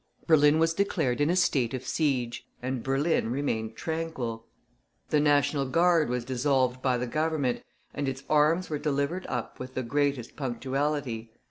Berlin was declared in a state of siege, and Berlin remained tranquil; the National Guard was dissolved by the Government, and its arms were delivered up with the greatest punctuality.